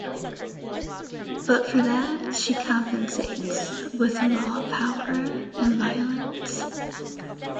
But for that she compensates with raw power and violence.